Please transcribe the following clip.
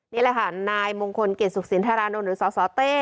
นี่แหละค่ะนายมงคลกิจสุขศิลป์ธาราณุนุษยา